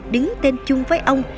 đứng tên chung với ông